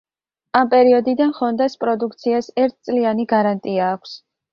ამ პერიოდიდან ჰონდას პროდუქციას ერთწლიანი გარანტია აქვს.